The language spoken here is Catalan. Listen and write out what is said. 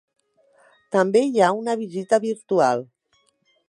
També hi ha una visita virtual.